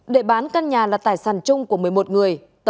để bán căn nhà là tài sản chung của một mươi một người